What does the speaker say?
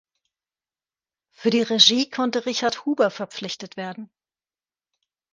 Für die Regie konnte Richard Huber verpflichtet werden.